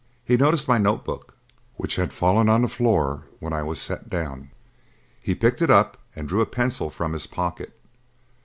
He noticed my notebook, which had fallen on the floor when I was set down; he picked it up and drew a pencil from his pocket.